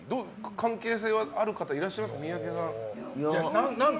関係性があるかたはいらっしゃいますか？